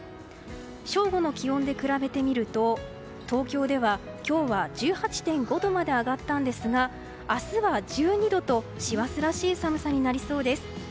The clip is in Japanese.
正午の気温で比べてみると東京では今日は１８．５度まで上がったんですが明日は１２度と師走らしい寒さになりそうです。